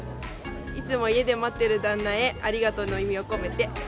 いつも家で待ってる旦那へ「ありがとう」の意味を込めて。